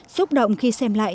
xúc động khi xem lại